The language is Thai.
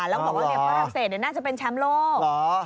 แล้วบอกว่าฝรั่งเศสน่าจะเป็นแชมป์โลก